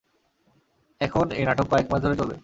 এখন এই নাটক কয়েক মাস ধরে চলবে।